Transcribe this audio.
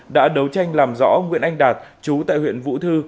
đã đấu tranh làm rõ nguyễn anh đạt chú tại huyện vũ thư